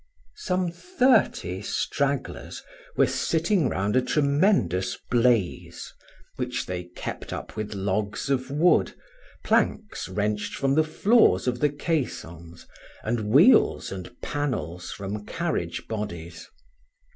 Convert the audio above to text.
Some thirty stragglers were sitting round a tremendous blaze, which they kept up with logs of wood, planks wrenched from the floors of the caissons, and wheels, and panels from carriage bodies.